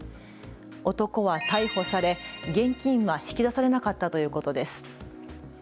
男は逮捕され現金は引き出されなかったということです。